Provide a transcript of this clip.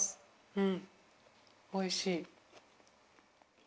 うんおいしい。